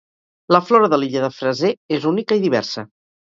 La flora de l’illa de Fraser és única i diversa.